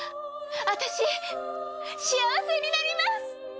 あたし幸せになります！